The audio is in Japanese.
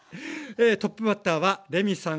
トップバッターはレミさんからです。